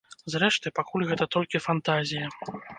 Зрэшты, пакуль гэта толькі фантазія.